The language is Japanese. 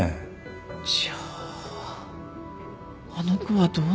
じゃああの子はどうなるの？